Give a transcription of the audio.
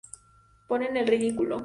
Ponen el ridículo".